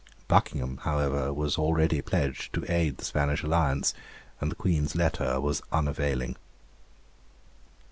Buckingham, however, was already pledged to aid the Spanish alliance, and the Queen's letter was unavailing.